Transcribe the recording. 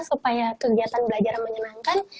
supaya kegiatan belajar menyenangkan